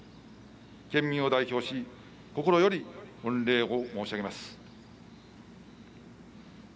県民を代表し心より御礼を申し上げます。